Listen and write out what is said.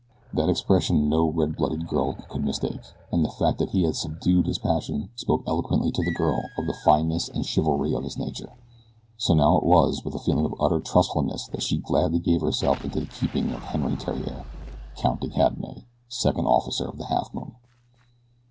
That expression no red blooded girl could mistake, and the fact that he had subdued his passion spoke eloquently to the girl of the fineness and chivalry of his nature, so now it was with a feeling of utter trustfulness that she gladly gave herself into the keeping of Henri Theriere, Count de Cadenet, Second Officer of the Halfmoon.